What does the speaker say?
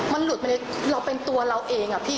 มันหลุดมาในเราเป็นตัวเราเองอะพี่